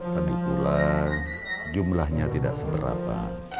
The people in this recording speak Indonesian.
tapi pula jumlahnya tidak seberapa